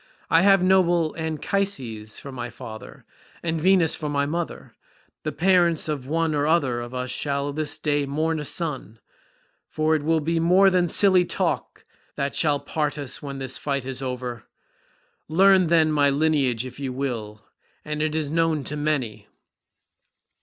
I have noble Anchises for my father, and Venus for my mother; the parents of one or other of us shall this day mourn a son, for it will be more than silly talk that shall part us when the fight is over. Learn, then, my lineage if you will—and it is known to many.